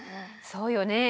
そうよね。